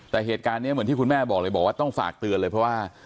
แต่เหตุการณ์นี้เหมือนที่คุณแม่บอกเลยบอกว่าต้องฝากเตือนเลยเพราะว่า